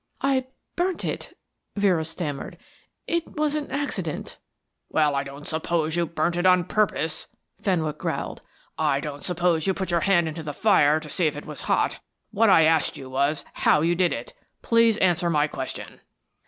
"I burnt it," Vera stammered. "It was an accident." "Well, I don't suppose you burnt it on purpose," Fenwick growled. "I don't suppose you put your hand into the fire to see if it was hot. What I asked you was how you did it. Please answer my question."